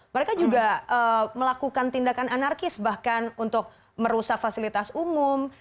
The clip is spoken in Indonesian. mereka juga melakukan tindakan anarkis bahkan untuk merusak fasilitas umum